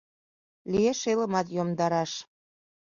Лиеш элымат йомдараш.